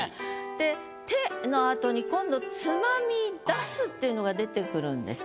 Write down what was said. で「手」の後に今度「つまみ出す」っていうのが出てくるんです。